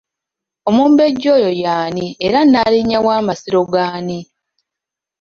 Omumbejja oyo y’ani era Nnaalinya wa Masiro g’ani?